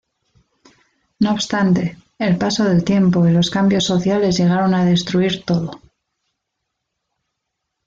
No obstante, el paso del tiempo y los cambios sociales llegaron a destruir todo.